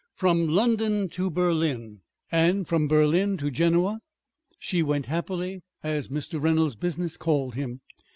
From London to Berlin, and from Berlin to Genoa, she went happily, as Mr. Reynolds's business called him.